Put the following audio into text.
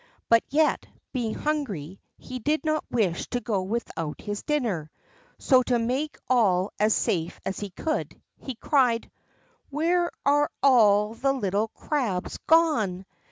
But yet, being hungry, he did not wish to go without his dinner; so to make all as safe as he could, he cried: "Where are all the little crabs gone?